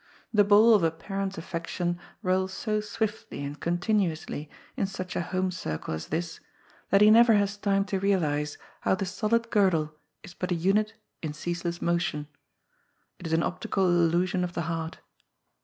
The ball of a parent's affection rolls so swiftly and continuously in such a home circle as this that he never has time to realize how the solid girdle is but a unit in ceaseless motion. It is an optical illusion of the heart.